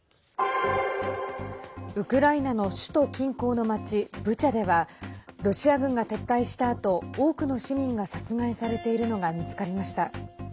ウクライナの首都近郊の町ブチャではロシア軍が撤退したあと多くの市民が殺害されているのが見つかりました。